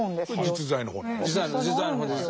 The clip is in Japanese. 実在の本です。